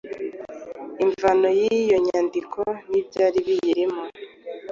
Imvano y'iyo nyandiko n'ibyari biyirimo.